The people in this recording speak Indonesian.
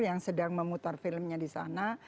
yang sedang memutar filmnya di sana